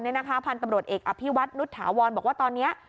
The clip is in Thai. ทางฟันตำรวจเอกอภิวัตนุษย์ถาวรบอกว่าตอนนี้